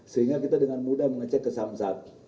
sehingga kita dengan mudah mengecek ke samsat